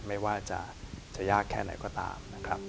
ไม่ว่าจะยากแค่ไหนก็ตาม